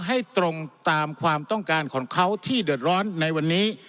ให้ตรงตามความต้องการของเขาที่เดือดร้อนในวันนี้